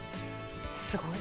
すごい。